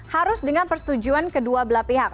harus dengan persetujuan kedua belah pihak